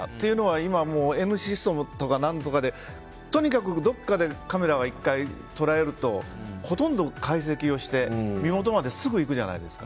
今はＮシステムとかでとにかくどこかでカメラは１回捉えるとほとんど解析をして身元まですぐ行くじゃないですか。